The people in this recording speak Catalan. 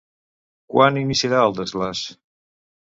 Quan iniciarà el desglaç?